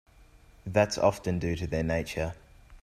That's often due to their nature.